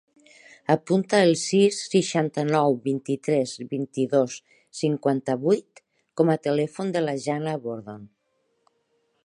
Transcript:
Apunta el sis, seixanta-nou, vint-i-tres, vint-i-dos, cinquanta-vuit com a telèfon de la Jana Bordon.